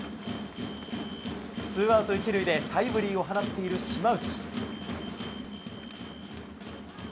ツーアウト１塁でタイムリーを放っている島内。